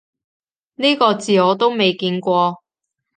呢個字我都未見過